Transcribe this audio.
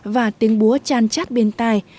và tiếng búa chan chát bên tai